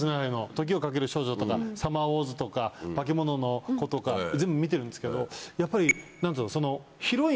『時をかける少女』とか『サマーウォーズ』とか『バケモノの子』とか全部見てるんですけどやっぱりその。